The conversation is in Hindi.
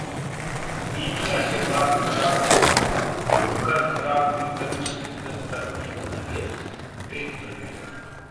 मीडिया से बात कर खराब हुई तनुश्री दत्ता की तबीयत, ब्रेक पर गईं